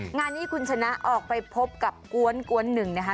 งานนี้คุณชนะออกไปพบกับกวนหนึ่งนะคะ